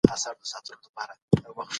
د خلکو لپاره خوراکي توکي رسول لوی کار و.